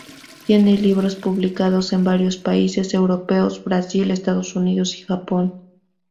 Tiene libros publicados en varios países europeos, Brasil, Estados Unidos y Japón.